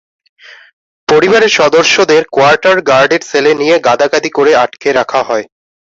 পরিবারের সদস্যদের কোয়ার্টার গার্ডের সেলে নিয়ে গাদাগাদি করে আটকে রাখা হয়।